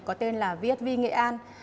có tên là vsb nghệ an